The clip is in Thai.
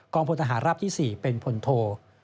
พลทหารราบที่๔เป็นพลโท